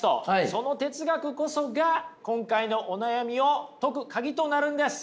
その哲学こそが今回のお悩みを解く鍵となるんです。